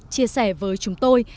chia sẻ với chúng tôi